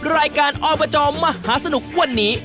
รายการอบจมหาสนุกวันนี้